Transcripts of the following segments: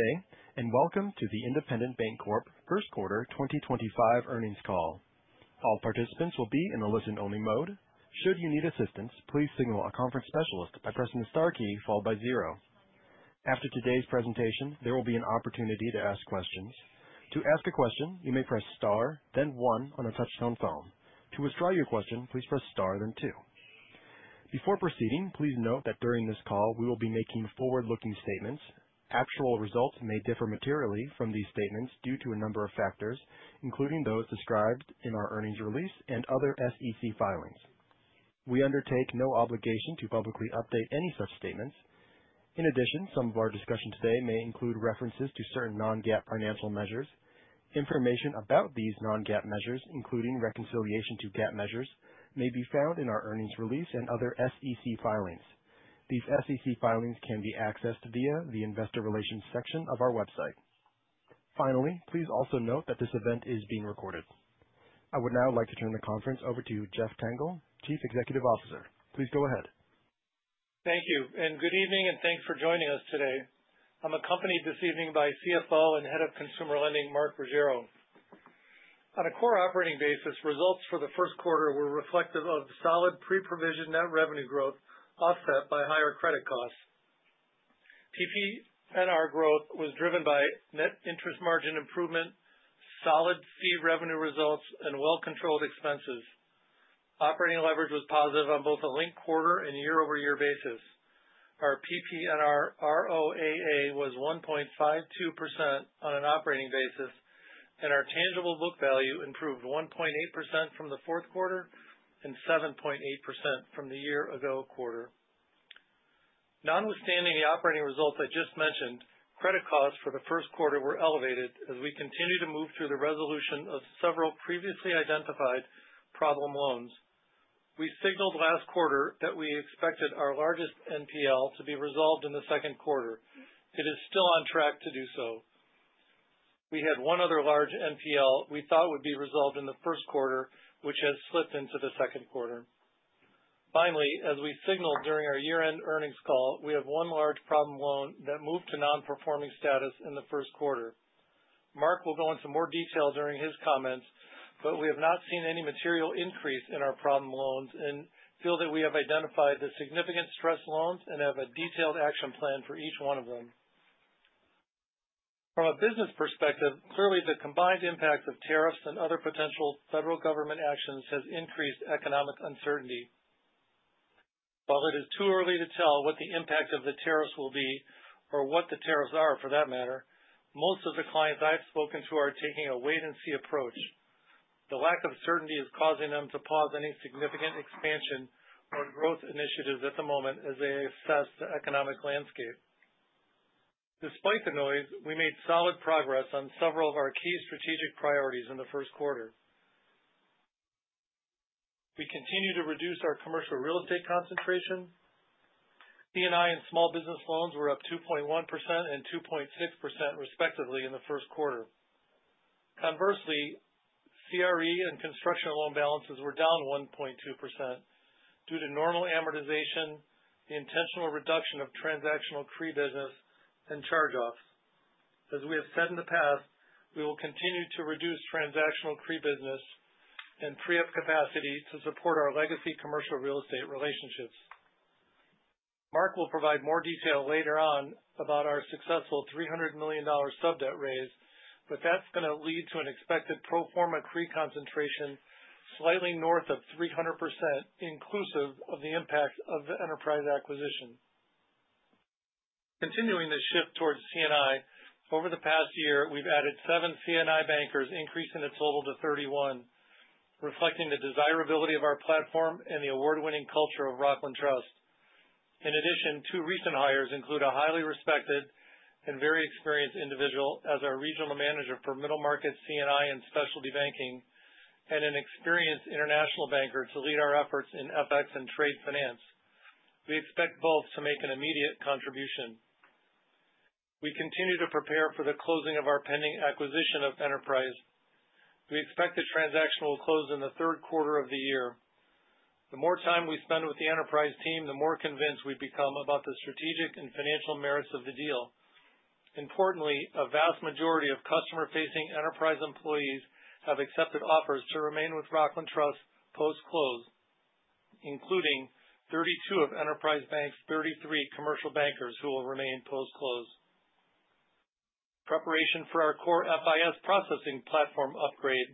Good day, and welcome to the Independent Bank Corp first quarter 2025 earnings call. All participants will be in a listen-only mode. Should you need assistance, please signal a conference specialist by pressing the star key followed by zero. After today's presentation, there will be an opportunity to ask questions. To ask a question, you may press star, then one on a touch-tone phone. To withdraw your question, please press star, then two. Before proceeding, please note that during this call, we will be making forward-looking statements. Actual results may differ materially from these statements due to a number of factors, including those described in our earnings release and other SEC filings. We undertake no obligation to publicly update any such statements. In addition, some of our discussion today may include references to certain non-GAAP financial measures. Information about these non-GAAP measures, including reconciliation to GAAP measures, may be found in our earnings release and other SEC filings. These SEC filings can be accessed via the investor relations section of our website. Finally, please also note that this event is being recorded. I would now like to turn the conference over to Jeff Tengel, Chief Executive Officer. Please go ahead. Thank you, and good evening, and thanks for joining us today. I'm accompanied this evening by CFO and Head of Consumer Lending, Mark Ruggiero. On a core operating basis, results for the first quarter were reflective of solid pre-provision net revenue growth offset by higher credit costs. PPNR growth was driven by net interest margin improvement, solid fee revenue results, and well-controlled expenses. Operating leverage was positive on both a linked quarter and year-over-year basis. Our PPNR ROAA was 1.52% on an operating basis, and our tangible book value improved 1.8% from the fourth quarter and 7.8% from the year-ago quarter. Notwithstanding the operating results I just mentioned, credit costs for the first quarter were elevated as we continue to move through the resolution of several previously identified problem loans. We signaled last quarter that we expected our largest NPL to be resolved in the second quarter. It is still on track to do so. We had one other large NPL we thought would be resolved in the first quarter, which has slipped into the second quarter. Finally, as we signaled during our year-end earnings call, we have one large problem loan that moved to non-performing status in the first quarter. Mark will go into more detail during his comments, but we have not seen any material increase in our problem loans and feel that we have identified the significant stress loans and have a detailed action plan for each one of them. From a business perspective, clearly the combined impacts of tariffs and other potential federal government actions have increased economic uncertainty. While it is too early to tell what the impact of the tariffs will be, or what the tariffs are for that matter, most of the clients I've spoken to are taking a wait-and-see approach. The lack of certainty is causing them to pause any significant expansion or growth initiatives at the moment as they assess the economic landscape. Despite the noise, we made solid progress on several of our key strategic priorities in the first quarter. We continue to reduce our commercial real estate concentration. C&I and small business loans were up 2.1% and 2.6% respectively in the first quarter. Conversely, CRE and construction loan balances were down 1.2% due to normal amortization, the intentional reduction of transactional CRE business, and charge-offs. As we have said in the past, we will continue to reduce transactional CRE business and free up capacity to support our legacy commercial real estate relationships. Mark will provide more detail later on about our successful $300 million sub-debt raise, but that's going to lead to an expected pro forma CRE concentration slightly north of 300%, inclusive of the impact of the Enterprise acquisition. Continuing the shift towards C&I, over the past year, we've added seven C&I bankers, increasing the total to 31, reflecting the desirability of our platform and the award-winning culture of Rockland Trust. In addition, two recent hires include a highly respected and very experienced individual as our regional manager for middle market C&I and specialty banking, and an experienced international banker to lead our efforts in FX and trade finance. We expect both to make an immediate contribution. We continue to prepare for the closing of our pending acquisition of Enterprise. We expect the transaction will close in the third quarter of the year. The more time we spend with the Enterprise team, the more convinced we become about the strategic and financial merits of the deal. Importantly, a vast majority of customer-facing Enterprise employees have accepted offers to remain with Rockland Trust post-close, including 32 of Enterprise Bank's 33 commercial bankers who will remain post-close. Preparation for our core FIS processing platform upgrade,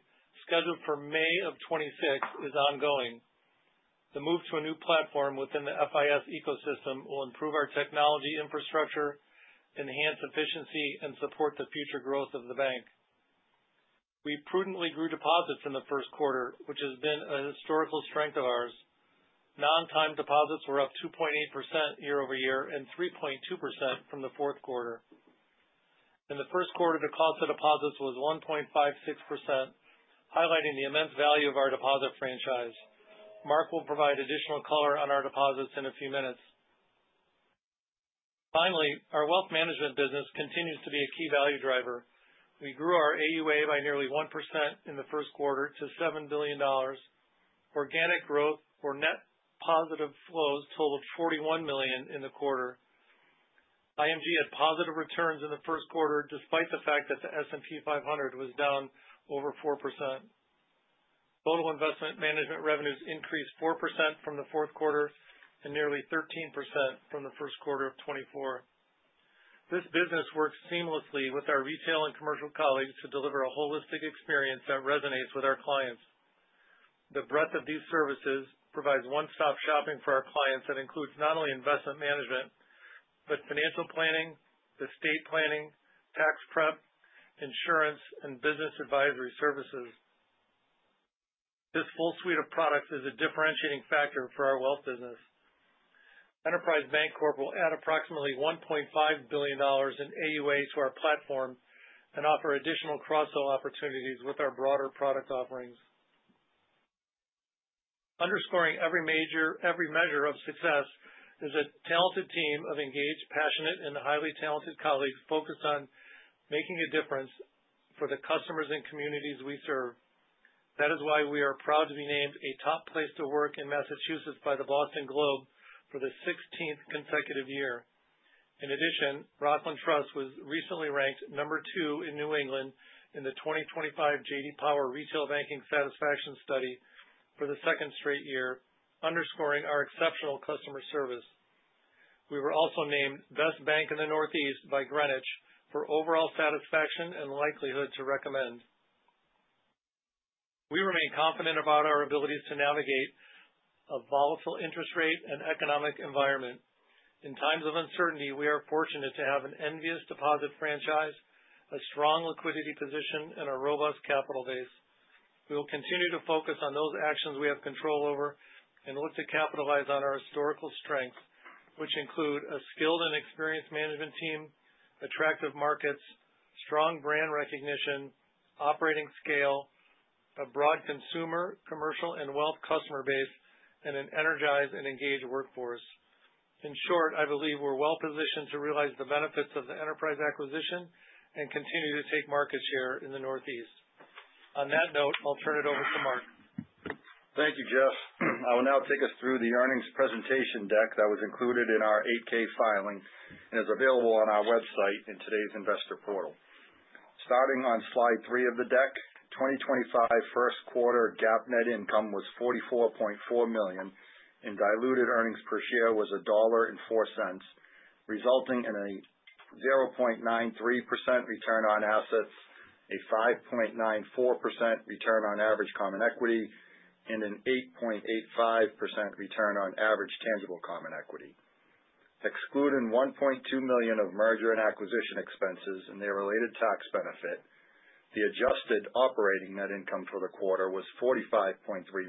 scheduled for May of 2026, is ongoing. The move to a new platform within the FIS ecosystem will improve our technology infrastructure, enhance efficiency, and support the future growth of the bank. We prudently grew deposits in the first quarter, which has been a historical strength of ours. Non-time deposits were up 2.8% year-over-year and 3.2% from the fourth quarter. In the first quarter, the cost of deposits was 1.56%, highlighting the immense value of our deposit franchise. Mark will provide additional color on our deposits in a few minutes. Finally, our wealth management business continues to be a key value driver. We grew our AUA by nearly 1% in the first quarter to $7 billion. Organic growth, or net positive flows, totaled $41 million in the quarter. IMG had positive returns in the first quarter despite the fact that the S&P 500 was down over 4%. Total investment management revenues increased 4% from the fourth quarter and nearly 13% from the first quarter of 2024. This business works seamlessly with our retail and commercial colleagues to deliver a holistic experience that resonates with our clients. The breadth of these services provides one-stop shopping for our clients that includes not only investment management but financial planning, estate planning, tax preparation, insurance, and business advisory services. This full suite of products is a differentiating factor for our wealth business. Enterprise Bancorp will add approximately $1.5 billion in AUA to our platform and offer additional cross-sell opportunities with our broader product offerings. Underscoring every measure of success is a talented team of engaged, passionate, and highly talented colleagues focused on making a difference for the customers and communities we serve. That is why we are proud to be named a top place to work in Massachusetts by the Boston Globe for the 16th consecutive year. In addition, Rockland Trust was recently ranked number two in New England in the 2025 J.D. Power Retail Banking Satisfaction Study for the second straight year, underscoring our exceptional customer service. We were also named Best Bank in the Northeast by Greenwich for overall satisfaction and likelihood to recommend. We remain confident about our abilities to navigate a volatile interest rate and economic environment. In times of uncertainty, we are fortunate to have an envious deposit franchise, a strong liquidity position, and a robust capital base. We will continue to focus on those actions we have control over and look to capitalize on our historical strengths, which include a skilled and experienced management team, attractive markets, strong brand recognition, operating scale, a broad consumer, commercial, and wealth customer base, and an energized and engaged workforce. In short, I believe we're well positioned to realize the benefits of the enterprise acquisition and continue to take market share in the Northeast. On that note, I'll turn it over to Mark. Thank you, Jeff. I will now take us through the earnings presentation deck that was included in our 8-K filing and is available on our website in today's investor portal. Starting on slide three of the deck, 2025 first quarter GAAP net income was $44.4 million, and diluted earnings per share was $1.04, resulting in a 0.93% return on assets, a 5.94% return on average common equity, and an 8.85% return on average tangible common equity. Excluding $1.2 million of M&A expenses and their related tax benefit, the adjusted operating net income for the quarter was $45.3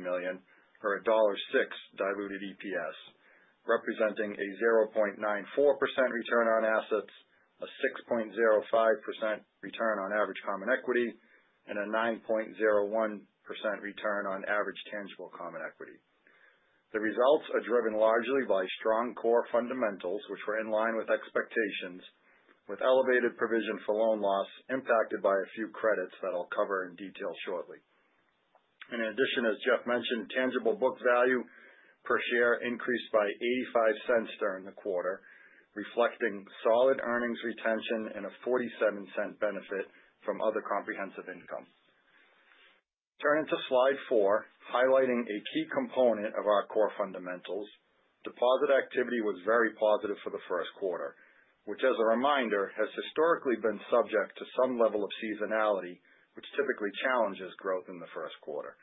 million or $1.06 diluted EPS, representing a 0.94% return on assets, a 6.05% return on average common equity, and a 9.01% return on average tangible common equity. The results are driven largely by strong core fundamentals, which were in line with expectations, with elevated provision for loan loss impacted by a few credits that I'll cover in detail shortly. In addition, as Jeff mentioned, tangible book value per share increased by $0.85 during the quarter, reflecting solid earnings retention and a $0.47 benefit from other comprehensive income. Turning to slide four, highlighting a key component of our core fundamentals, deposit activity was very positive for the first quarter, which, as a reminder, has historically been subject to some level of seasonality, which typically challenges growth in the first quarter.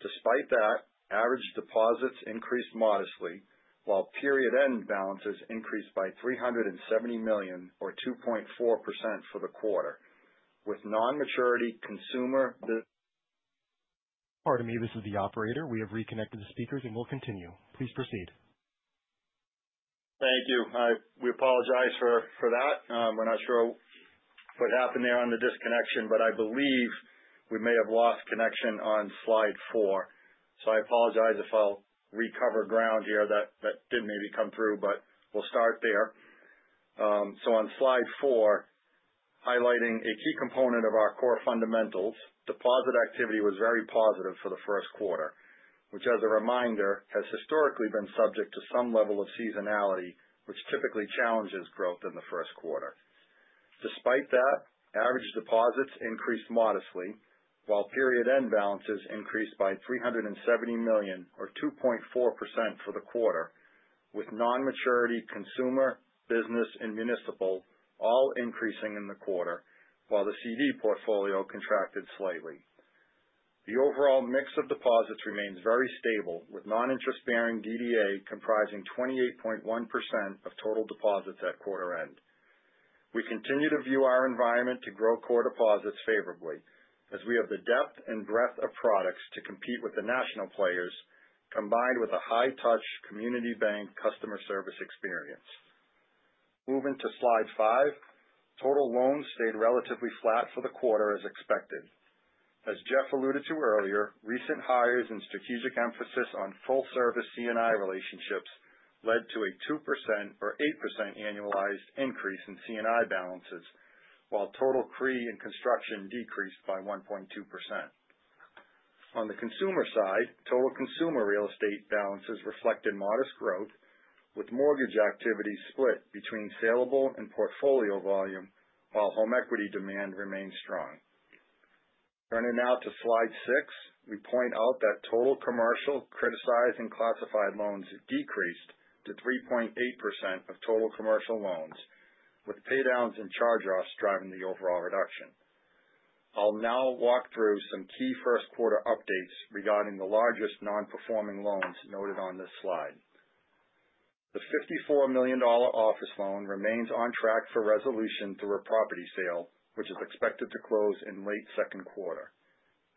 Despite that, average deposits increased modestly, while period-end balances increased by $370 million or 2.4% for the quarter, with non-maturity consumer. Pardon me, this is the operator. We have reconnected the speakers and will continue. Please proceed. Thank you. We apologize for that. We're not sure what happened there on the disconnection, but I believe we may have lost connection on slide four. I apologize if I'll recover ground here that didn't maybe come through, but we'll start there. On slide four, highlighting a key component of our core fundamentals, deposit activity was very positive for the first quarter, which, as a reminder, has historically been subject to some level of seasonality, which typically challenges growth in the first quarter. Despite that, average deposits increased modestly, while period-end balances increased by $370 million or 2.4% for the quarter, with non-maturity consumer, business, and municipal all increasing in the quarter, while the CD portfolio contracted slightly. The overall mix of deposits remains very stable, with non-interest-bearing DDA comprising 28.1% of total deposits at quarter end. We continue to view our environment to grow core deposits favorably, as we have the depth and breadth of products to compete with the national players, combined with a high-touch community bank customer service experience. Moving to slide five, total loans stayed relatively flat for the quarter as expected. As Jeff alluded to earlier, recent hires and strategic emphasis on full-service C&I relationships led to a 2% or 8% annualized increase in C&I balances, while total CRE and construction decreased by 1.2%. On the consumer side, total consumer real estate balances reflected modest growth, with mortgage activity split between saleable and portfolio volume, while home equity demand remained strong. Turning now to slide six, we point out that total commercial, criticized, and classified loans decreased to 3.8% of total commercial loans, with paydowns and charge-offs driving the overall reduction. I'll now walk through some key first-quarter updates regarding the largest non-performing loans noted on this slide. The $54 million office loan remains on track for resolution through a property sale, which is expected to close in late second quarter.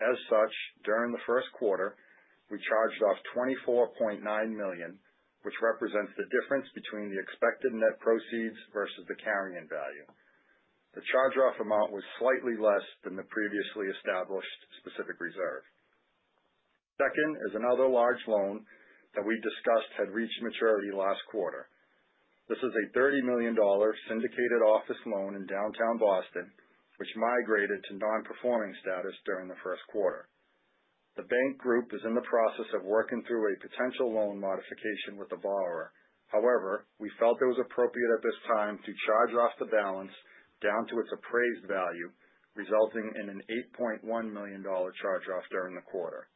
As such, during the first quarter, we charged off $24.9 million, which represents the difference between the expected net proceeds versus the carrying value. The charge-off amount was slightly less than the previously established specific reserve. Second is another large loan that we discussed had reached maturity last quarter. This is a $30 million syndicated office loan in downtown Boston, which migrated to non-performing status during the first quarter. The bank group is in the process of working through a potential loan modification with the borrower. However, we felt it was appropriate at this time to charge off the balance down to its appraised value, resulting in an $8.1 million charge-off during the quarter.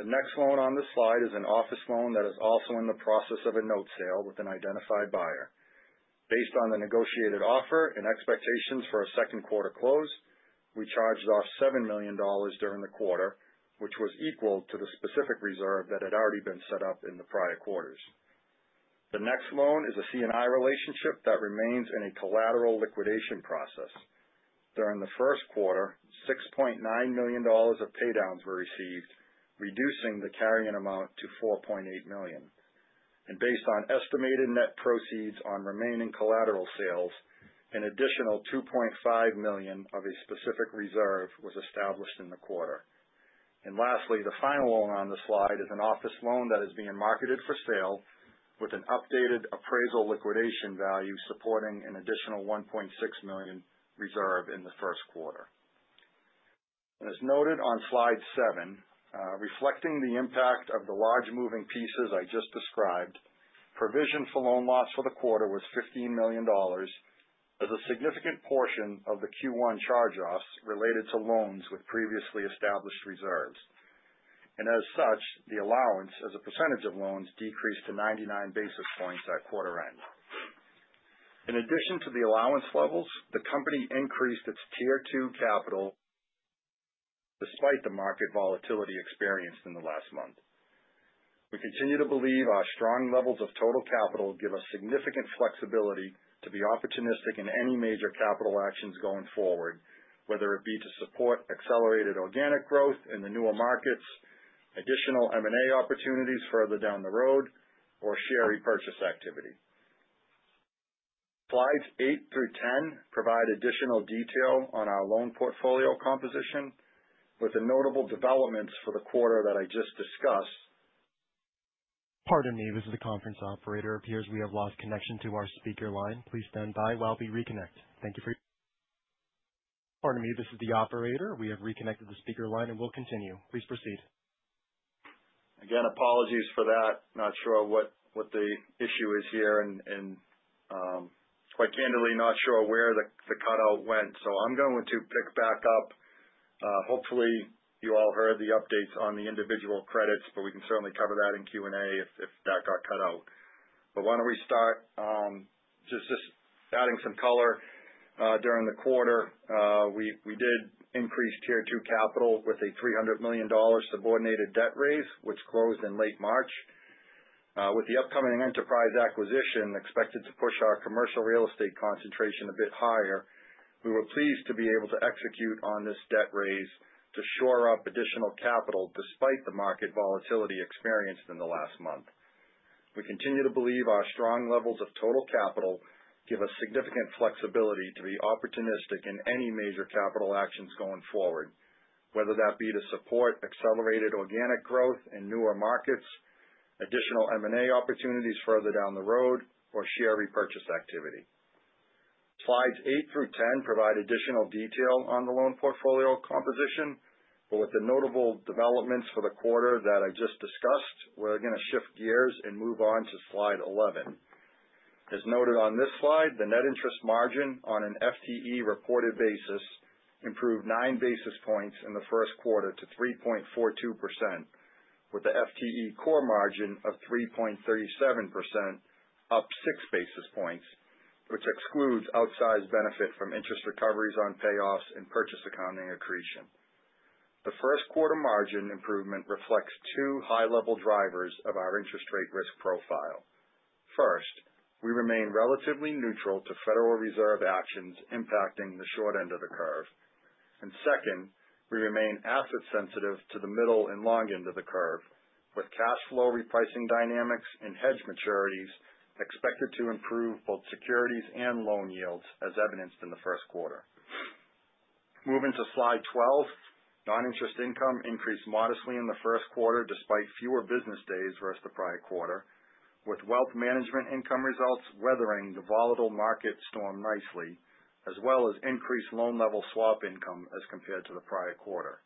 The next loan on this slide is an office loan that is also in the process of a note sale with an identified buyer. Based on the negotiated offer and expectations for a second quarter close, we charged off $7 million during the quarter, which was equal to the specific reserve that had already been set up in the prior quarters. The next loan is a C&I relationship that remains in a collateral liquidation process. During the first quarter, $6.9 million of paydowns were received, reducing the carrying amount to $4.8 million. Based on estimated net proceeds on remaining collateral sales, an additional $2.5 million of a specific reserve was established in the quarter. Lastly, the final loan on the slide is an office loan that is being marketed for sale, with an updated appraisal liquidation value supporting an additional $1.6 million reserve in the first quarter. As noted on slide seven, reflecting the impact of the large moving pieces I just described, provision for loan loss for the quarter was $15 million as a significant portion of the Q1 charge-offs related to loans with previously established reserves. As such, the allowance as a percentage of loans decreased to 99 basis points at quarter end. In addition to the allowance levels, the company increased its tier two capital despite the market volatility experienced in the last month. We continue to believe our strong levels of total capital give us significant flexibility to be opportunistic in any major capital actions going forward, whether it be to support accelerated organic growth in the newer markets, additional M&A opportunities further down the road, or share repurchase activity. Slides eight to 10 provide additional detail on our loan portfolio composition, with the notable developments for the quarter that I just discussed. Pardon me, this is the conference operator. It appears we have lost connection to our speaker line. Please stand by while we reconnect. Thank you. Pardon me, this is the operator. We have reconnected the speaker line and will continue. Please proceed. Again, apologies for that. Not sure what the issue is here. And quite candidly, not sure where the cutout went. I'm going to pick back up. Hopefully, you all heard the updates on the individual credits, but we can certainly cover that in Q&A if that got cut out. Why don't we start just adding some color during the quarter? We did increase tier two capital with a $300 million subordinated debt raise, which closed in late March. With the upcoming Enterprise Bank acquisition expected to push our commercial real estate concentration a bit higher, we were pleased to be able to execute on this debt raise to shore up additional capital despite the market volatility experienced in the last month. We continue to believe our strong levels of total capital give us significant flexibility to be opportunistic in any major capital actions going forward, whether that be to support accelerated organic growth in newer markets, additional M&A opportunities further down the road, or share repurchase activity. Slides eight to 10 provide additional detail on the loan portfolio composition, but with the notable developments for the quarter that I just discussed, we are going to shift gears and move on to slide 11. As noted on this slide, the net interest margin on an FTE reported basis improved nine basis points in the first quarter to 3.42%, with the FTE core margin of 3.37%, up six basis points, which excludes outsized benefit from interest recoveries on payoffs and purchase accounting accretion. The first quarter margin improvement reflects two high-level drivers of our interest rate risk profile. First, we remain relatively neutral to Federal Reserve actions impacting the short end of the curve. Second, we remain asset-sensitive to the middle and long end of the curve, with cash flow repricing dynamics and hedge maturities expected to improve both securities and loan yields, as evidenced in the first quarter. Moving to slide 12, non-interest income increased modestly in the first quarter despite fewer business days versus the prior quarter, with wealth management income results weathering the volatile market storm nicely, as well as increased loan-level swap income as compared to the prior quarter.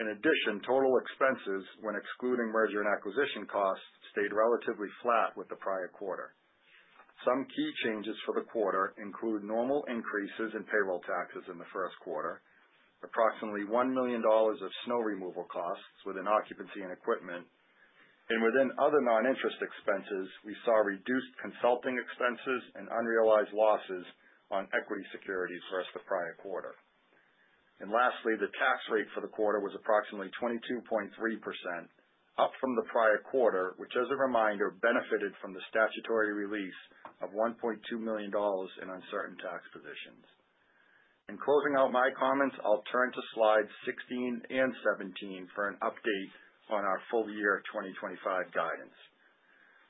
In addition, total expenses, when excluding merger and acquisition costs, stayed relatively flat with the prior quarter. Some key changes for the quarter include normal increases in payroll taxes in the first quarter, approximately $1 million of snow removal costs within occupancy and equipment. Within other non-interest expenses, we saw reduced consulting expenses and unrealized losses on equity securities versus the prior quarter. Lastly, the tax rate for the quarter was approximately 22.3%, up from the prior quarter, which, as a reminder, benefited from the statutory release of $1.2 million in uncertain tax positions. In closing out my comments, I'll turn to slides 16 and 17 for an update on our full year 2025 guidance.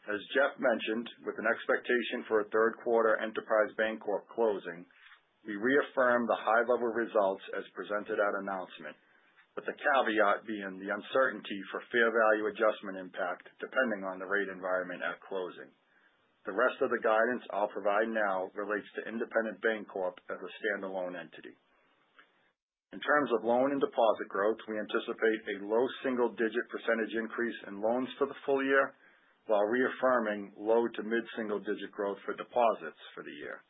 As Jeff mentioned, with an expectation for a third quarter Enterprise Bank Corp closing, we reaffirm the high-level results as presented at announcement, with the caveat being the uncertainty for fair value adjustment impact depending on the rate environment at closing. The rest of the guidance I'll provide now relates to Independent Bank Corp as a standalone entity. In terms of loan and deposit growth, we anticipate a low single-digit % increase in loans for the full year, while reaffirming low to mid-single-digit growth for deposits for the year.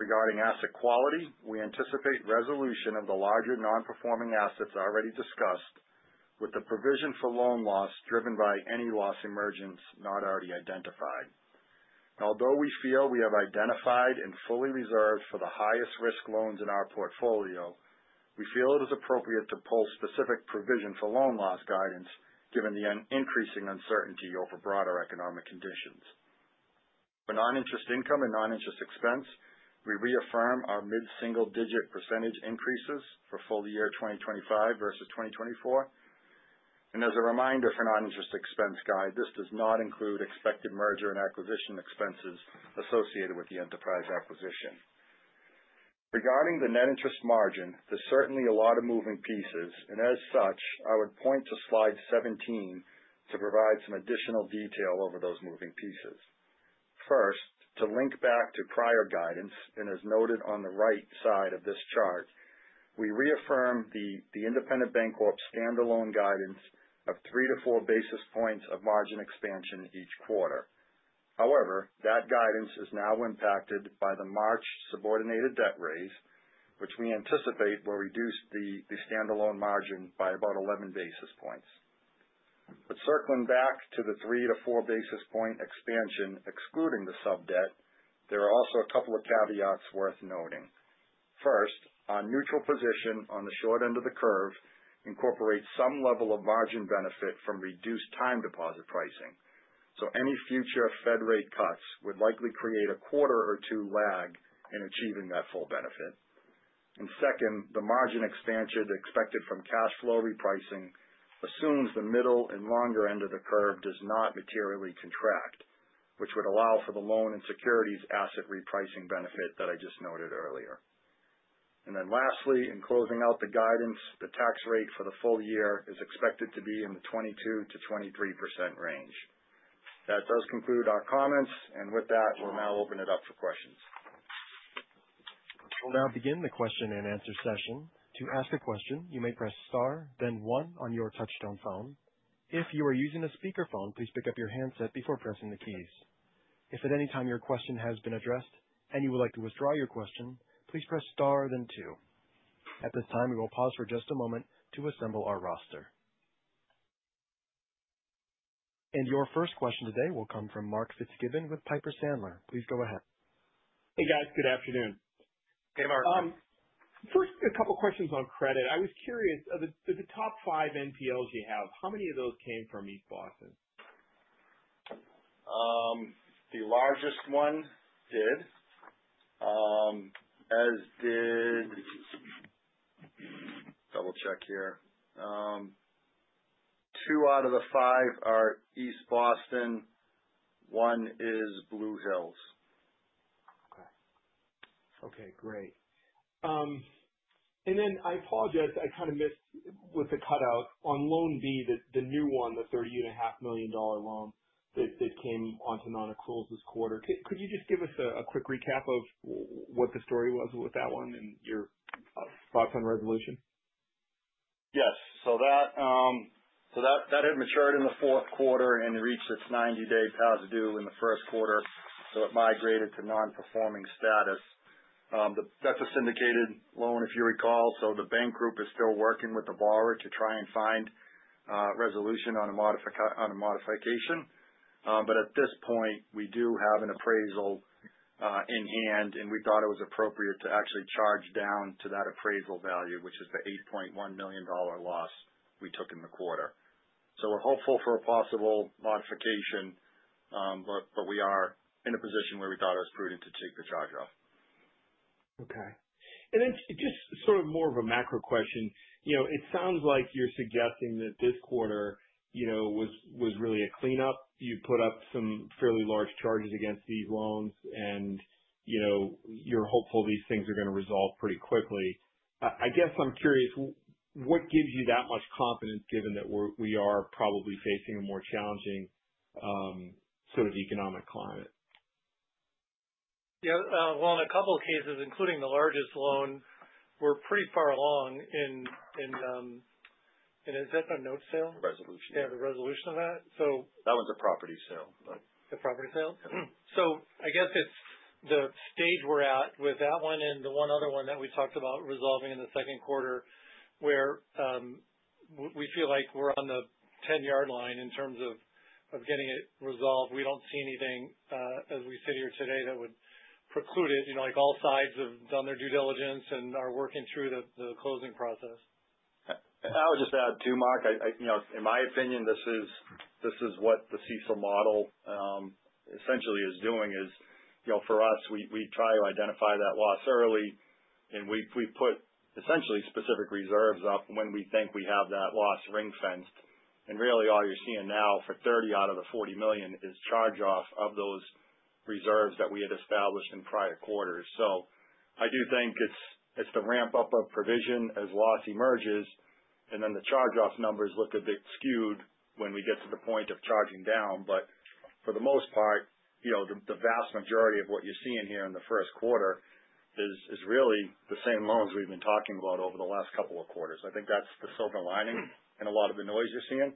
Regarding asset quality, we anticipate resolution of the larger non-performing assets already discussed, with the provision for loan loss driven by any loss emergence not already identified. Although we feel we have identified and fully reserved for the highest risk loans in our portfolio, we feel it is appropriate to pull specific provision for loan loss guidance, given the increasing uncertainty over broader economic conditions. For non-interest income and non-interest expense, we reaffirm our mid-single-digit % increases for full year 2025 versus 2024. As a reminder for non-interest expense guide, this does not include expected M&A expenses associated with the Enterprise Bank acquisition. Regarding the net interest margin, there is certainly a lot of moving pieces. I would point to slide 17 to provide some additional detail over those moving pieces. First, to link back to prior guidance, and as noted on the right side of this chart, we reaffirm the Independent Bank Corp standalone guidance of three to four basis points of margin expansion each quarter. However, that guidance is now impacted by the March subordinated debt raise, which we anticipate will reduce the standalone margin by about 11 basis points. Circling back to the three to four basis point expansion, excluding the sub debt, there are also a couple of caveats worth noting. First, our neutral position on the short end of the curve incorporates some level of margin benefit from reduced time deposit pricing. Any future Fed rate cuts would likely create a quarter or two lag in achieving that full benefit. Second, the margin expansion expected from cash flow repricing assumes the middle and longer end of the curve does not materially contract, which would allow for the loan and securities asset repricing benefit that I just noted earlier. Lastly, in closing out the guidance, the tax rate for the full year is expected to be in the 22%-23% range. That does conclude our comments. With that, we'll now open it up for questions. We'll now begin the question and answer session. To ask a question, you may press star, then one on your touchstone phone. If you are using a speakerphone, please pick up your handset before pressing the keys. If at any time your question has been addressed and you would like to withdraw your question, please press star, then two. At this time, we will pause for just a moment to assemble our roster. Your first question today will come from Mark Fitzgibbon with Piper Sandler. Please go ahead. Hey, guys. Good afternoon. Hey, Mark. First, a couple of questions on credit. I was curious, of the top five NPLs you have, how many of those came from East Boston? The largest one did, as did—double-check here—two out of the five are East Boston. One is Blue Hills. Okay. Okay. Great. I apologize. I kind of missed with the cutout on loan B, the new one, the $30.5 million loan that came onto non-accruals this quarter. Could you just give us a quick recap of what the story was with that one and your thoughts on resolution? Yes. That had matured in the fourth quarter and reached its 90-day past due in the first quarter. It migrated to non-performing status. That is a syndicated loan, if you recall. The bank group is still working with the borrower to try and find resolution on a modification. At this point, we do have an appraisal in hand, and we thought it was appropriate to actually charge down to that appraisal value, which is the $8.1 million loss we took in the quarter. We are hopeful for a possible modification, but we are in a position where we thought it was prudent to take the charge off. Okay. Just sort of more of a macro question, it sounds like you're suggesting that this quarter was really a cleanup. You put up some fairly large charges against these loans, and you're hopeful these things are going to resolve pretty quickly. I guess I'm curious, what gives you that much confidence given that we are probably facing a more challenging sort of economic climate? Yeah. In a couple of cases, including the largest loan, we're pretty far along in—and is that the note sale? Resolution. Yeah, the resolution of that. So. That one's a property sale. The property sale? I guess it's the stage we're at with that one and the one other one that we talked about resolving in the second quarter, where we feel like we're on the 10-yard line in terms of getting it resolved. We don't see anything, as we sit here today, that would preclude it. All sides have done their due diligence and are working through the closing process. I would just add too, Mark, in my opinion, this is what the CECL model essentially is doing. For us, we try to identify that loss early, and we put essentially specific reserves up when we think we have that loss ring-fenced. Really, all you're seeing now for $30 million out of the $40 million is charge-off of those reserves that we had established in prior quarters. I do think it's the ramp-up of provision as loss emerges, and then the charge-off numbers look a bit skewed when we get to the point of charging down. For the most part, the vast majority of what you're seeing here in the first quarter is really the same loans we've been talking about over the last couple of quarters. I think that's the silver lining in a lot of the noise you're seeing.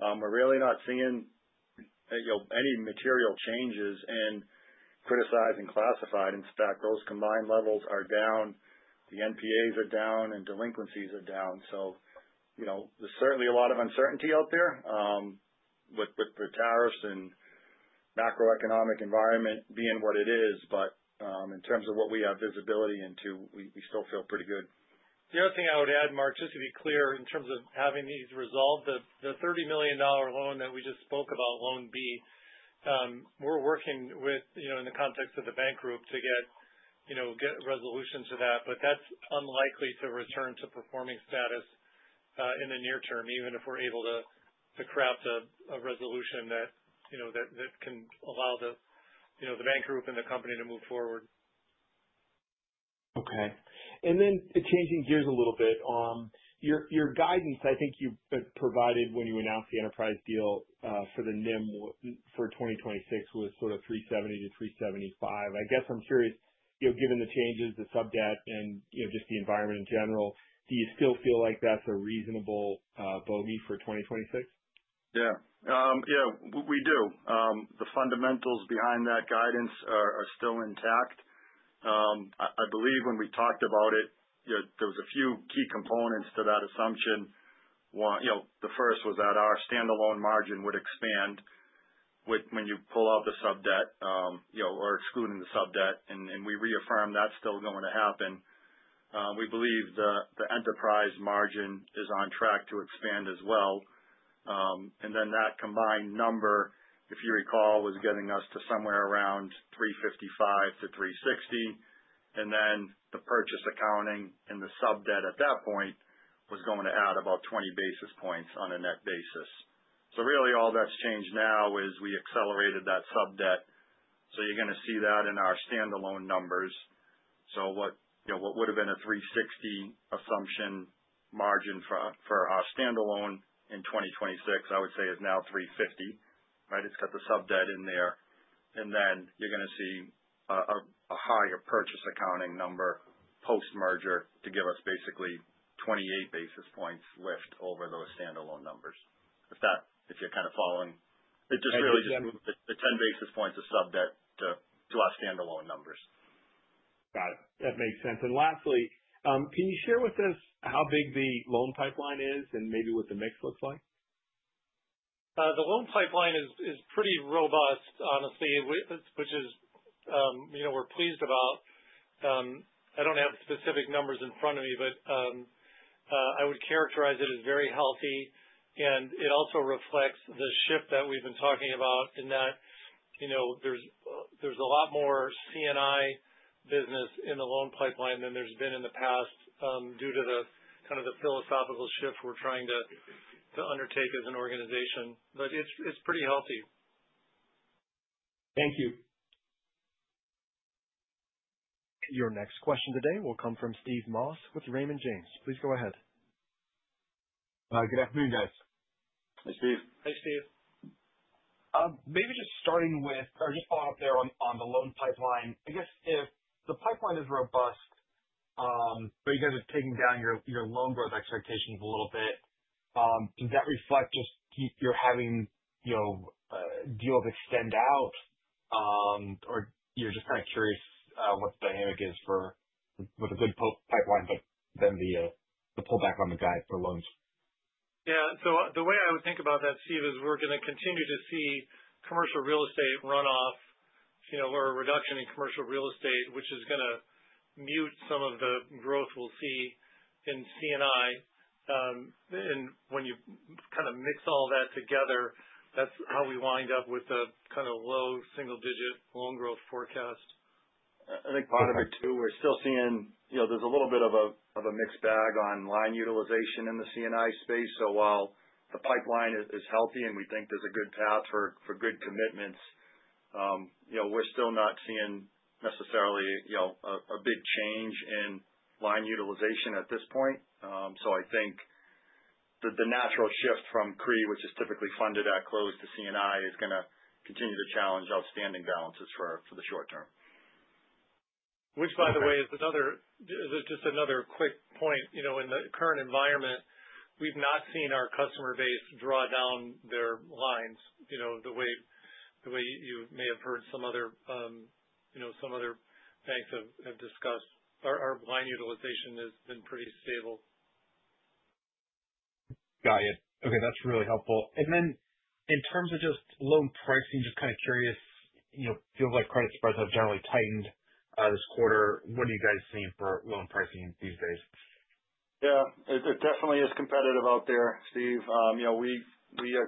We're really not seeing any material changes in criticized and classified. In fact, those combined levels are down. The NPAs are down, and delinquencies are down. There is certainly a lot of uncertainty out there with the tariffs and macroeconomic environment being what it is. In terms of what we have visibility into, we still feel pretty good. The other thing I would add, Mark, just to be clear, in terms of having these resolved, the $30 million loan that we just spoke about, loan B, we're working with, in the context of the bank group, to get resolution to that. That is unlikely to return to performing status in the near term, even if we're able to craft a resolution that can allow the bank group and the company to move forward. Okay. Changing gears a little bit, your guidance, I think you provided when you announced the Enterprise deal for the NIM for 2026 was sort of 370-375. I guess I'm curious, given the changes, the sub debt, and just the environment in general, do you still feel like that's a reasonable bogey for 2026? Yeah. Yeah, we do. The fundamentals behind that guidance are still intact. I believe when we talked about it, there were a few key components to that assumption. The first was that our standalone margin would expand when you pull out the sub debt or excluding the sub debt. We reaffirm that's still going to happen. We believe the enterprise margin is on track to expand as well. That combined number, if you recall, was getting us to somewhere around 355-360. The purchase accounting and the sub debt at that point was going to add about 20 basis points on a net basis. Really, all that's changed now is we accelerated that sub debt. You're going to see that in our standalone numbers. What would have been a 360 assumption margin for our standalone in 2026, I would say, is now 350, right? It's got the sub debt in there. Then you're going to see a higher purchase accounting number post-merger to give us basically 28 basis points lift over those standalone numbers. If you're kind of following, it just really just moved the 10 basis points of sub debt to our standalone numbers. Got it. That makes sense. Lastly, can you share with us how big the loan pipeline is and maybe what the mix looks like? The loan pipeline is pretty robust, honestly, which we're pleased about. I don't have specific numbers in front of me, but I would characterize it as very healthy. It also reflects the shift that we've been talking about in that there's a lot more C&I business in the loan pipeline than there's been in the past due to kind of the philosophical shift we're trying to undertake as an organization. It is pretty healthy. Thank you. Your next question today will come from Steve Moss with Raymond James. Please go ahead. Good afternoon, guys. Hey, Steve. Hey, Steve. Maybe just starting with or just following up there on the loan pipeline. I guess if the pipeline is robust, but you guys are taking down your loan growth expectations a little bit, does that reflect just you're having a deal extend out? Or you're just kind of curious what the dynamic is with a good pipeline, but then the pullback on the guide for loans? Yeah. The way I would think about that, Steve, is we're going to continue to see commercial real estate runoff or a reduction in commercial real estate, which is going to mute some of the growth we'll see in C&I. When you kind of mix all that together, that's how we wind up with the kind of low single-digit loan growth forecast. I think part of it too, we're still seeing there's a little bit of a mixed bag on line utilization in the C&I space. While the pipeline is healthy and we think there's a good path for good commitments, we're still not seeing necessarily a big change in line utilization at this point. I think the natural shift from CRE, which is typically funded at close to C&I, is going to continue to challenge outstanding balances for the short term. Which, by the way, is just another quick point. In the current environment, we've not seen our customer base draw down their lines the way you may have heard some other banks have discussed. Our line utilization has been pretty stable. Got it. Okay. That's really helpful. In terms of just loan pricing, just kind of curious, it feels like credit spreads have generally tightened this quarter. What are you guys seeing for loan pricing these days? Yeah. It definitely is competitive out there, Steve. We're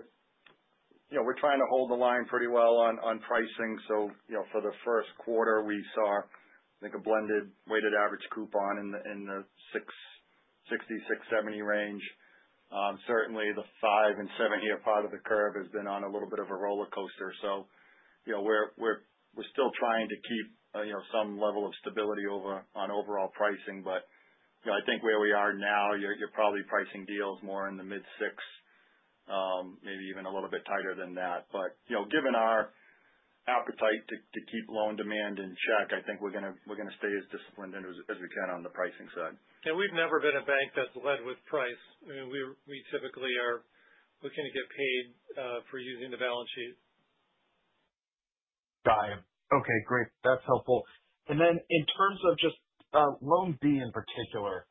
trying to hold the line pretty well on pricing. For the first quarter, we saw, I think, a blended weighted average coupon in the 6.6%-6.7% range. Certainly, the 5% and 7% part of the curve has been on a little bit of a roller coaster. We're still trying to keep some level of stability on overall pricing. I think where we are now, you're probably pricing deals more in the mid-6%, maybe even a little bit tighter than that. Given our appetite to keep loan demand in check, I think we're going to stay as disciplined as we can on the pricing side. We've never been a bank that's led with price. I mean, we typically are looking to get paid for using the balance sheet. Got it. Okay. Great. That's helpful. In terms of just loan B in particular,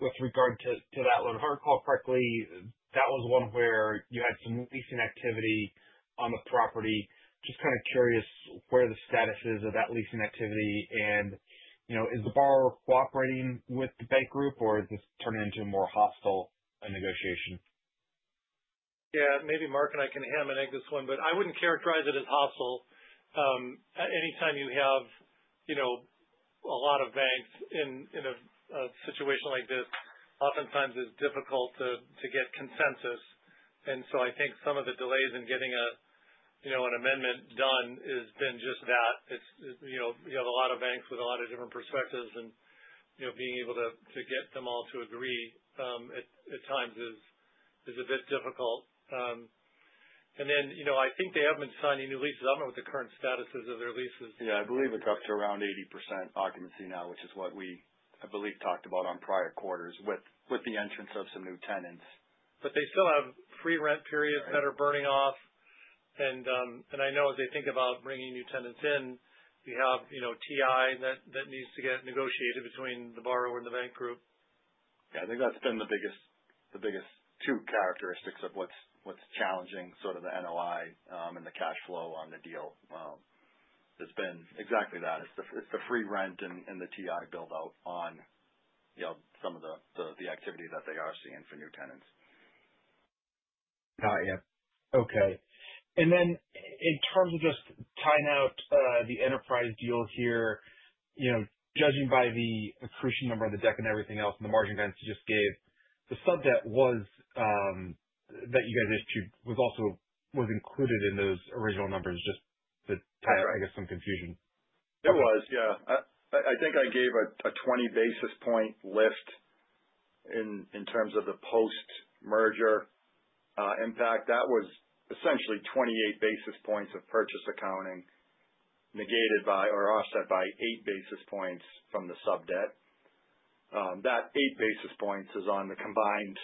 with regard to that loan, if I recall correctly, that was one where you had some leasing activity on the property. Just kind of curious where the status is of that leasing activity. Is the borrower cooperating with the bank group, or is this turning into a more hostile negotiation? Yeah. Maybe Mark and I can hammer into this one, but I would not characterize it as hostile. Anytime you have a lot of banks in a situation like this, oftentimes it is difficult to get consensus. I think some of the delays in getting an amendment done has been just that. You have a lot of banks with a lot of different perspectives, and being able to get them all to agree at times is a bit difficult. I think they have been signing new leases. I do not know what the current status is of their leases. Yeah. I believe it's up to around 80% occupancy now, which is what we, I believe, talked about on prior quarters with the entrance of some new tenants. They still have free rent periods that are burning off. I know as they think about bringing new tenants in, you have TI that needs to get negotiated between the borrower and the bank group. Yeah. I think that's been the biggest two characteristics of what's challenging sort of the NOI and the cash flow on the deal. It's been exactly that. It's the free rent and the TI build-out on some of the activity that they are seeing for new tenants. Got it. Okay. In terms of just tying out the Enterprise deal here, judging by the accretion number of the debt and everything else and the margin gain that you just gave, the sub debt that you guys issued was included in those original numbers, just to tie, I guess, some confusion. There was, yeah. I think I gave a 20 basis point lift in terms of the post-merger impact. That was essentially 28 basis points of purchase accounting negated by or offset by eight basis points from the sub debt. That eight basis points is on the combined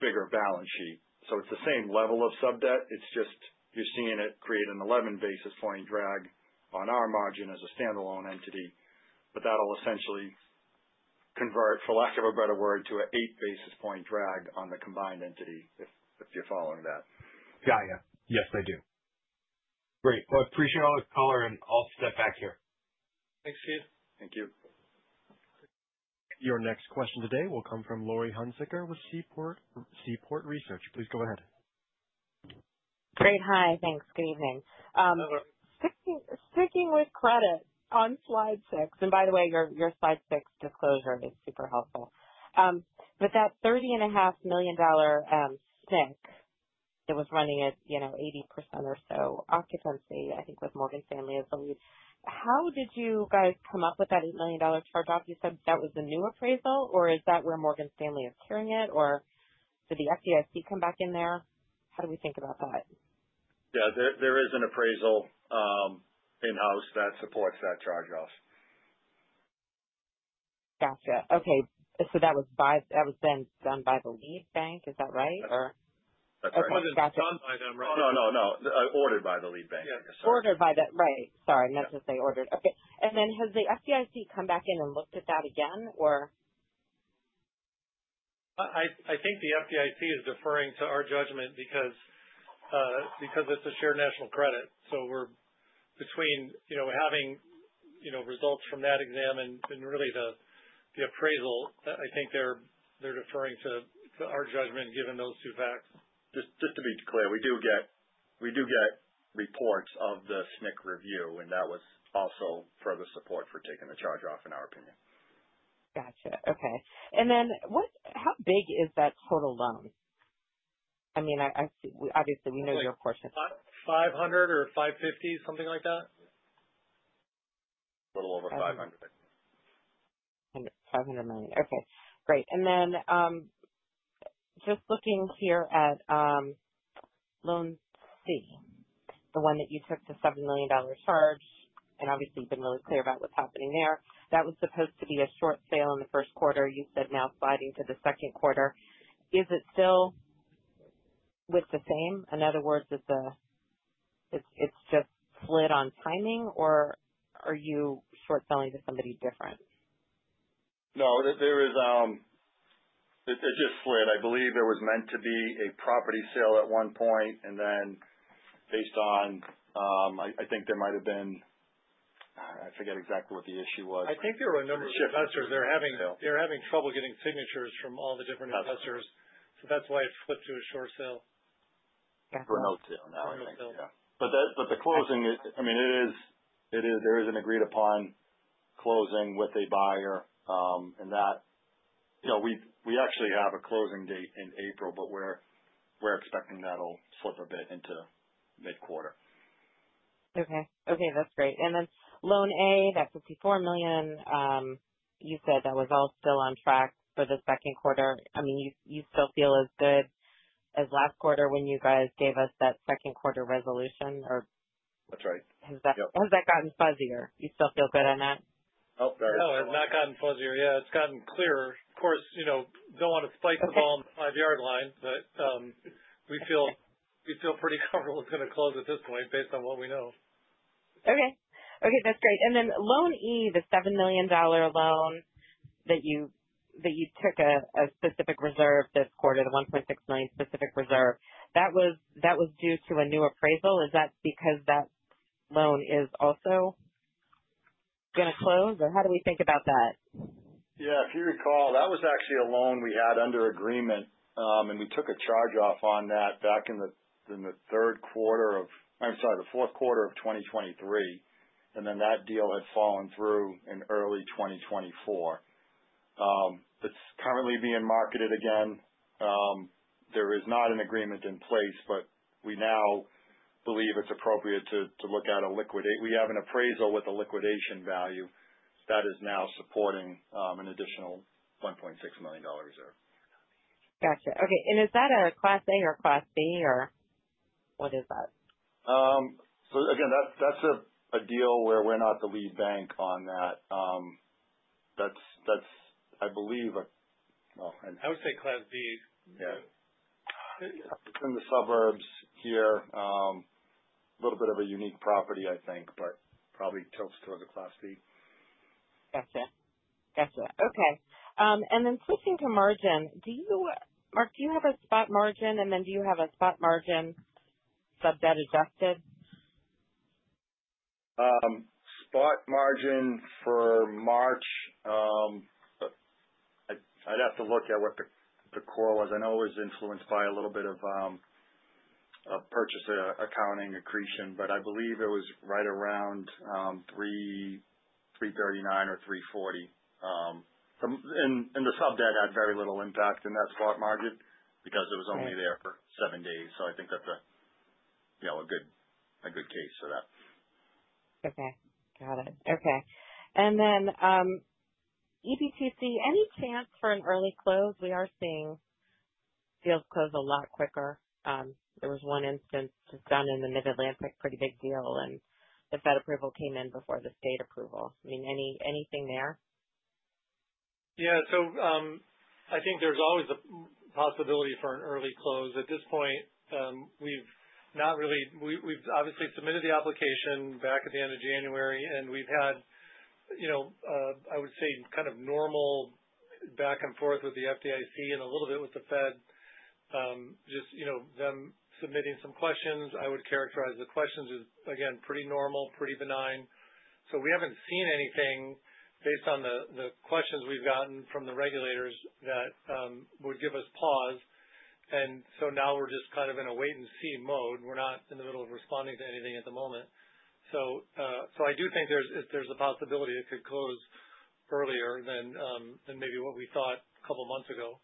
bigger balance sheet. So it's the same level of sub debt. It's just you're seeing it create an 11 basis point drag on our margin as a standalone entity. That'll essentially convert, for lack of a better word, to an eight basis point drag on the combined entity, if you're following that. Got it. Yes, I do. Great. I appreciate all the color, and I'll step back here. Thanks, Steve. Thank you. Your next question today will come from Laurie Hunsicker with Seaport Research. Please go ahead. Great. Hi. Thanks. Good evening. Hello. Sticking with credit, on slide six, and by the way, your slide six disclosure is super helpful. But that $30.5 million SNC that was running at 80% or so occupancy, I think, with Morgan Stanley as the lead. How did you guys come up with that $8 million charge-off? You said that was the new appraisal, or is that where Morgan Stanley is carrying it, or did the FDIC come back in there? How do we think about that? Yeah. There is an appraisal in-house that supports that charge-off. Gotcha. Okay. That was then done by the lead bank, is that right? That's right. It wasn't done by them, right? No, no. Ordered by the lead bank. Yeah. Ordered by the right. Sorry. I meant to say ordered. Okay. Has the FDIC come back in and looked at that again, or? I think the FDIC is deferring to our judgment because it's a shared national credit. Between having results from that exam and really the appraisal, I think they're deferring to our judgment given those two facts. Just to be clear, we do get reports of the SNC review, and that was also further support for taking the charge-off, in our opinion. Gotcha. Okay. And then how big is that total loan? I mean, obviously, we know your portion. $500 million or $550 million, something like that. A little over $500 million. $500 million. Okay. Great. Just looking here at loan C, the one that you took the $7 million charge, and obviously, you've been really clear about what's happening there. That was supposed to be a short sale in the first quarter. You said now sliding to the second quarter. Is it still with the same? In other words, it's just slid on timing, or are you short selling to somebody different? No. It just slid. I believe there was meant to be a property sale at one point, and then based on I think there might have been I forget exactly what the issue was. I think there were a number of investors. They're having trouble getting signatures from all the different investors. That's why it flipped to a short sale. Yeah. To a note sale now, I think. A note sale. Yeah. The closing, I mean, there is an agreed-upon closing with a buyer, and we actually have a closing date in April, but we're expecting that'll slip a bit into mid-quarter. Okay. Okay. That's great. Then loan A, that $54 million, you said that was all still on track for the second quarter. I mean, you still feel as good as last quarter when you guys gave us that second quarter resolution, or? That's right. Has that gotten fuzzier? You still feel good on that? No, it has not gotten fuzzier. Yeah. It's gotten clearer. Of course, don't want to spike the ball on the five-yard line, but we feel pretty comfortable it's going to close at this point based on what we know. Okay. Okay. That's great. Then loan E, the $7 million loan that you took a specific reserve this quarter, the $1.6 million specific reserve, that was due to a new appraisal. Is that because that loan is also going to close, or how do we think about that? Yeah. If you recall, that was actually a loan we had under agreement, and we took a charge-off on that back in the fourth quarter of 2023. That deal had fallen through in early 2024. It's currently being marketed again. There is not an agreement in place, but we now believe it's appropriate to look at a liquidation. We have an appraisal with a liquidation value that is now supporting an additional $1.6 million reserve. Gotcha. Okay. Is that a class A or class B, or what is that? Again, that's a deal where we're not the lead bank on that. That's, I believe, a—well, I— I would say class B. Yeah. It's in the suburbs here. A little bit of a unique property, I think, but probably tilts towards a class B. Gotcha. Gotcha. Okay. Switching to margin, do you—Mark, do you have a spot margin, and do you have a spot margin sub debt adjusted? Spot margin for March, I'd have to look at what the core was. I know it was influenced by a little bit of purchase accounting accretion, but I believe it was right around 3.39 or 3.40. The sub debt had very little impact in that spot margin because it was only there for seven days. I think that's a good case for that. Okay. Got it. Okay. EBTC, any chance for an early close? We are seeing deals close a lot quicker. There was one instance just down in the Mid-Atlantic, pretty big deal, and the Fed approval came in before the state approval. I mean, anything there? Yeah. I think there's always the possibility for an early close. At this point, we've not really—we've obviously submitted the application back at the end of January, and we've had, I would say, kind of normal back and forth with the FDIC and a little bit with the Fed, just them submitting some questions. I would characterize the questions as, again, pretty normal, pretty benign. We haven't seen anything based on the questions we've gotten from the regulators that would give us pause. Now we're just kind of in a wait-and-see mode. We're not in the middle of responding to anything at the moment. I do think there's a possibility it could close earlier than maybe what we thought a couple of months ago.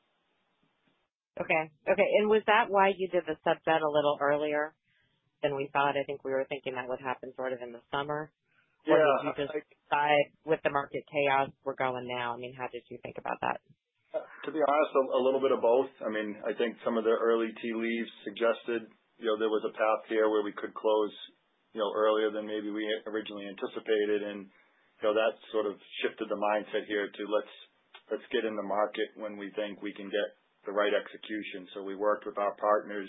Okay. Okay. Was that why you did the sub debt a little earlier than we thought? I think we were thinking that would happen sort of in the summer. Yeah. Did you just decide with the market chaos we're going now? I mean, how did you think about that? To be honest, a little bit of both. I mean, I think some of the early tea leaves suggested there was a path here where we could close earlier than maybe we originally anticipated. That sort of shifted the mindset here to, "Let's get in the market when we think we can get the right execution." We worked with our partners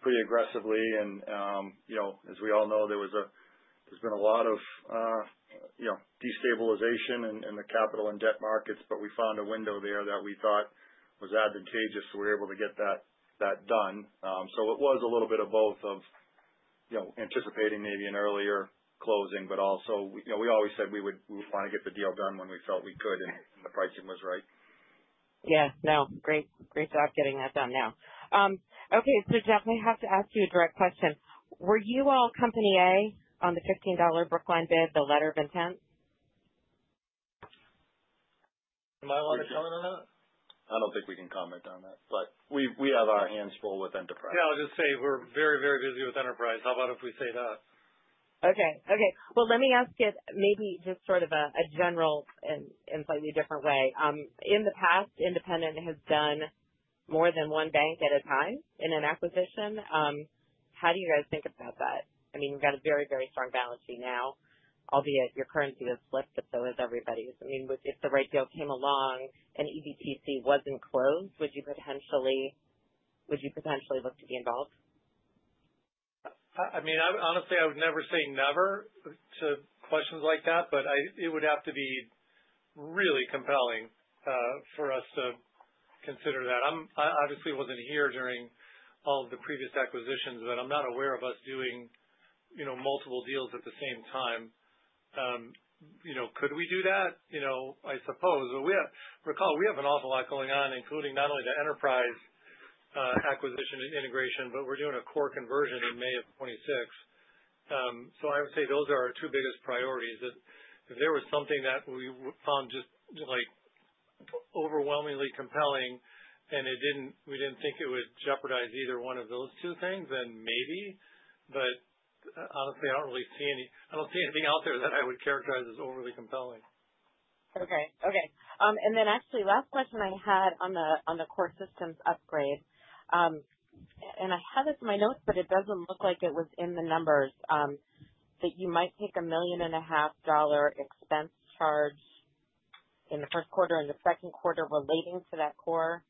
pretty aggressively. As we all know, there's been a lot of destabilization in the capital and debt markets, but we found a window there that we thought was advantageous, so we were able to get that done. It was a little bit of both of anticipating maybe an earlier closing, but also we always said we would want to get the deal done when we felt we could and the pricing was right. Yeah. No. Great. Great job getting that done now. Okay. Jeff, I have to ask you a direct question. Were you all Company A on the $15 Brookline bid, the letter of intent? Am I allowed to comment on that? I don't think we can comment on that, but we have our hands full with Enterprise. Yeah. I'll just say we're very, very busy with Enterprise. How about if we say that? Okay. Okay. Let me ask it maybe just sort of a general and slightly different way. In the past, Independent has done more than one bank at a time in an acquisition. How do you guys think about that? I mean, you've got a very, very strong balance sheet now, albeit your currency has flipped, but so has everybody's. I mean, if the right deal came along and EBTC was not closed, would you potentially look to be involved? I mean, honestly, I would never say never to questions like that, but it would have to be really compelling for us to consider that. I obviously wasn't here during all of the previous acquisitions, but I'm not aware of us doing multiple deals at the same time. Could we do that? I suppose. Recall, we have an awful lot going on, including not only the Enterprise acquisition integration, but we're doing a core conversion in May of 2026. I would say those are our two biggest priorities. If there was something that we found just overwhelmingly compelling and we didn't think it would jeopardize either one of those two things, then maybe. Honestly, I don't really see any—I don't see anything out there that I would characterize as overly compelling. Okay. Okay. Actually, last question I had on the core systems upgrade, and I have it in my notes, but it does not look like it was in the numbers, that you might take a $1.5 million expense charge in the first quarter and the second quarter relating to that core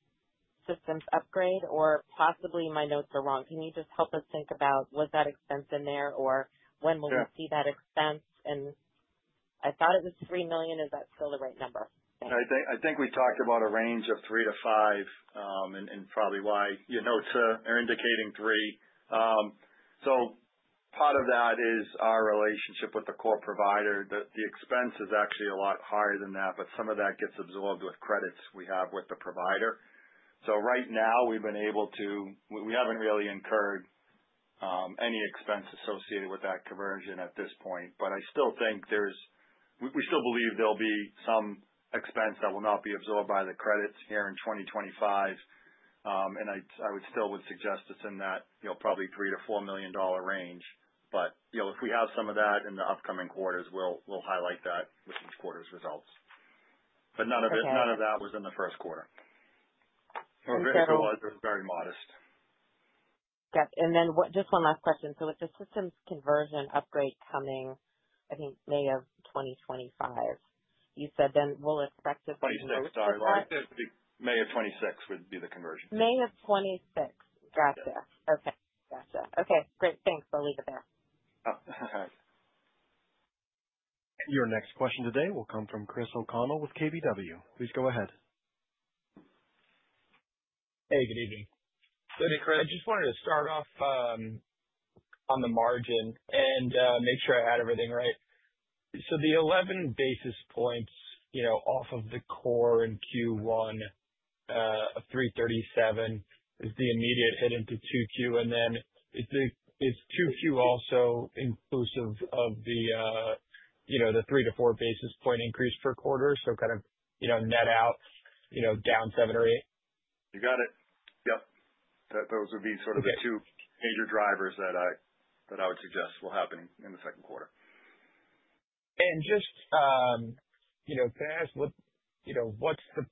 systems upgrade, or possibly my notes are wrong. Can you just help us think about, was that expense in there, or when will we see that expense? I thought it was $3 million. Is that still the right number? I think we talked about a range of three to five and probably why your notes are indicating three. Part of that is our relationship with the core provider. The expense is actually a lot higher than that, but some of that gets absorbed with credits we have with the provider. Right now, we've been able to—we haven't really incurred any expense associated with that conversion at this point. I still think there's—we still believe there'll be some expense that will not be absorbed by the credits here in 2025. I would still suggest it's in that probably $3 million-$4 million range. If we have some of that in the upcoming quarters, we'll highlight that with each quarter's results. None of that was in the first quarter. Okay. Or very modest. Jeff, and then just one last question. With the systems conversion upgrade coming, I think, May of 2025, you said then we'll expect it to be the. 26th, sorry. May of 2026 would be the conversion. May of 2026. Gotcha. Okay. Gotcha. Okay. Great. Thanks. I'll leave it there. Oh, okay. Your next question today will come from Chris O'Connell with KBW. Please go ahead. Hey, good evening. Good evening, Chris. I just wanted to start off on the margin and make sure I had everything right. The 11 basis points off of the core in Q1 of 337 is the immediate hit into 2Q, and then is 2Q also inclusive of the three to four basis point increase per quarter? Kind of net out down seven or eight? You got it. Yep. Those would be sort of the two major drivers that I would suggest will happen in the second quarter. Just to ask, what's the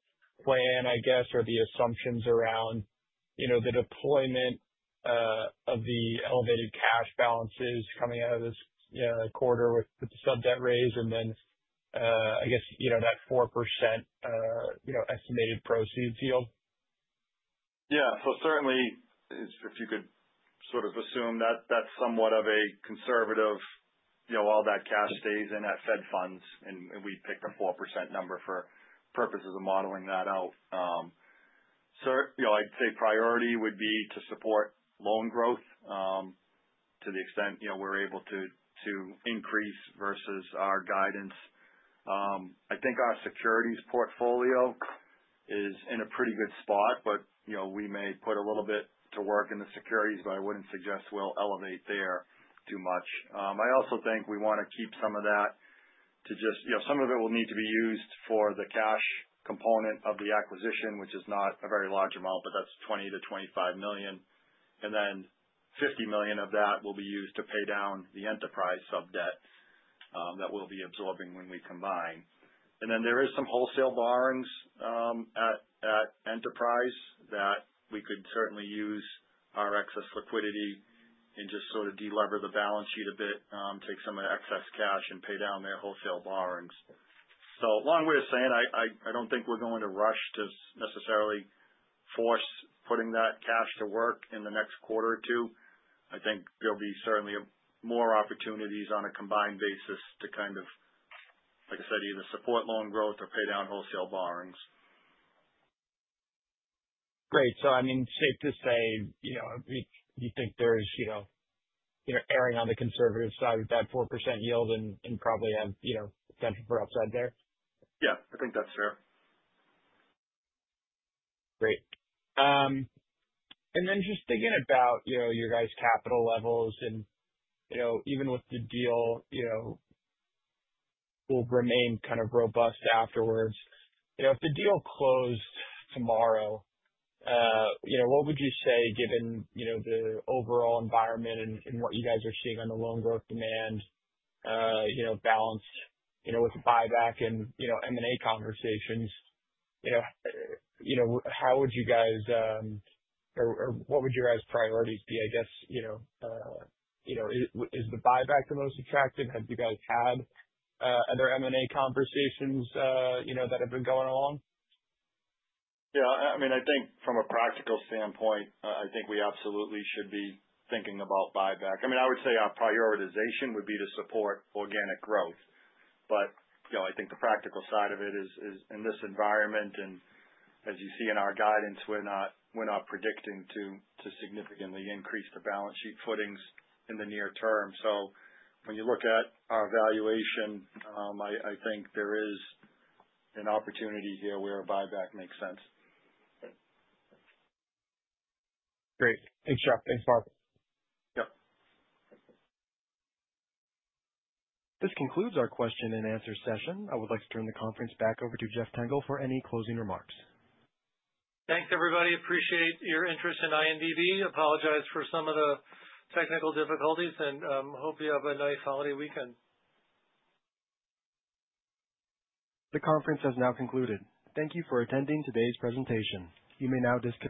plan, I guess, or the assumptions around the deployment of the elevated cash balances coming out of this quarter with the sub debt raise, and then I guess that 4% estimated proceeds yield? Yeah. Certainly, if you could sort of assume that that's somewhat of a conservative, all that cash stays in at Fed funds, and we picked a 4% number for purposes of modeling that out. I'd say priority would be to support loan growth to the extent we're able to increase versus our guidance. I think our securities portfolio is in a pretty good spot, but we may put a little bit to work in the securities, but I wouldn't suggest we'll elevate there too much. I also think we want to keep some of that to just some of it will need to be used for the cash component of the acquisition, which is not a very large amount, but that's $20 million-$25 million. And then $50 million of that will be used to pay down the Enterprise sub debt that we'll be absorbing when we combine. There is some wholesale borrowings at Enterprise that we could certainly use our excess liquidity and just sort of delever the balance sheet a bit, take some of the excess cash, and pay down their wholesale borrowings. Long way of saying, I do not think we are going to rush to necessarily force putting that cash to work in the next quarter or two. I think there will be certainly more opportunities on a combined basis to kind of, like I said, either support loan growth or pay down wholesale borrowings. Great. I mean, safe to say you think there's erring on the conservative side with that 4% yield and probably have potential for upside there? Yeah. I think that's fair. Great. Just thinking about your guys' capital levels, and even with the deal will remain kind of robust afterwards. If the deal closed tomorrow, what would you say given the overall environment and what you guys are seeing on the loan growth demand balanced with buyback and M&A conversations? How would you guys or what would your guys' priorities be? I guess, is the buyback the most attractive? Have you guys had other M&A conversations that have been going along? Yeah. I mean, I think from a practical standpoint, I think we absolutely should be thinking about buyback. I mean, I would say our prioritization would be to support organic growth. I think the practical side of it is in this environment, and as you see in our guidance, we're not predicting to significantly increase the balance sheet footings in the near term. When you look at our valuation, I think there is an opportunity here where a buyback makes sense. Great. Thanks, Jeff. Thanks, Mark. Yep. This concludes our question and answer session. I would like to turn the conference back over to Jeff Tengel for any closing remarks. Thanks, everybody. Appreciate your interest in INDB. Apologize for some of the technical difficulties, and hope you have a nice holiday weekend. The conference has now concluded. Thank you for attending today's presentation. You may now disconnect.